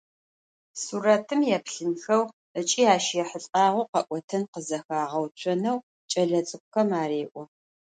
Сурэтым еплъынхэу ыкӏи ащ ехьылӏагъэу къэӏотэн къызэхагъэуцонэу кӏэлэцӏыкӏухэм ареӏо.